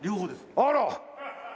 あら！